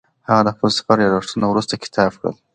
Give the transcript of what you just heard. هغه د خپل سفر یادښتونه وروسته کتاب کړل.